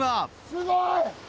すごい！